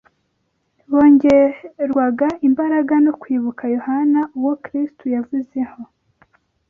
bongerwaga imbaraga no kwibuka Yohana uwo Kristo yavuzeho